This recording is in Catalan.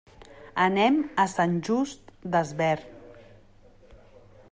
Anem a Sant Just Desvern.